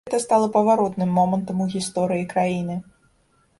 Гэта стала паваротным момантам у гісторыі краіны.